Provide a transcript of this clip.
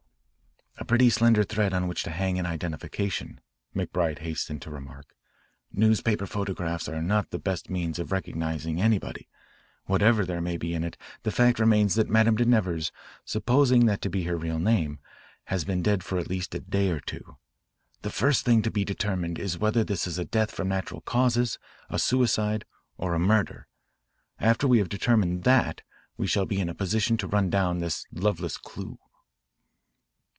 "A pretty slender thread on which to hang an identification," McBride hastened to remark. "Newspaper photographs are not the best means of recognising anybody. Whatever there may be in it, the fact remains that Madame de Nevers, supposing that to be her real name, has been dead for at least a day or two. The first thing to be determined is whether this is a death from natural causes, a suicide, or a murder. After we have determined that we shall be in a position to run down this Lovelace clue."